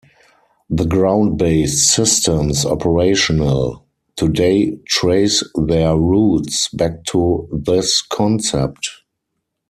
The ground-based systems operational today trace their roots back to this concept.